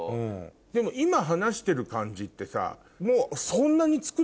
でも今話してる感じってさ。